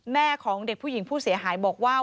แม่ของเด็กผู้หญิงผู้เสียหายบอกว่า